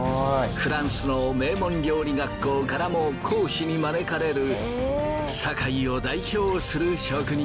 フランスの名門料理学校からも講師に招かれる堺を代表する職人。